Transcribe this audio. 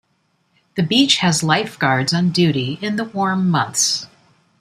The beach has lifeguards on duty in the warm months.